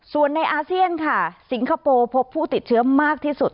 ส่วนในอาเซียนค่ะสิงคโปร์พบผู้ติดเชื้อมากที่สุด